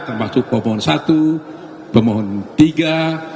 termasuk pemohon satu pemohon tiga